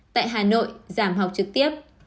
tại hà nội giảm học trực tiếp